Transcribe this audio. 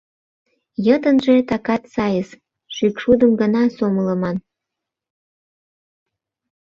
Йытынже такат сайыс, шӱкшудым гына сомылыман».